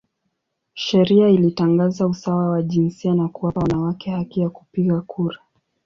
Sheria ilitangaza usawa wa jinsia na kuwapa wanawake haki ya kupiga kura.